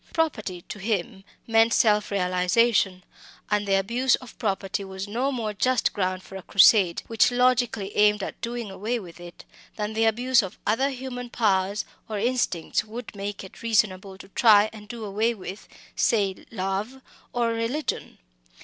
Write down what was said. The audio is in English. Property to him meant "self realisation"; and the abuse of property was no more just ground for a crusade which logically aimed at doing away with it, than the abuse of other human powers or instincts would make it reasonable to try and do away with say love, or religion.